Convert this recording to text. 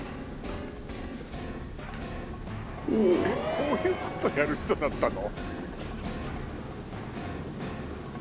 こういうことやる人だったの？